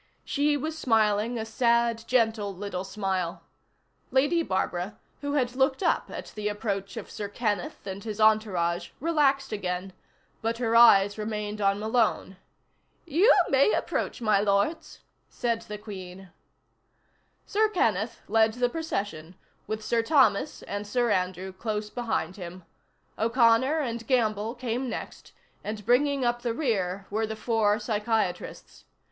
She was smiling a sad, gentle little smile. Lady Barbara, who had looked up at the approach of Sir Kenneth and his entourage, relaxed again, but her eyes remained on Malone. "You may approach, my lords," said the Queen. Sir Kenneth led the procession, with Sir Thomas and Sir Andrew close behind him. O'Connor and Gamble came next, and bringing up the rear were the four psychiatrists.